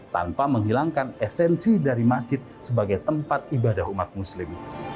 tanpa menghilangkan esensi dari masjid sebagai tempat ibadah umat muslim